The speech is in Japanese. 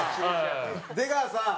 出川さん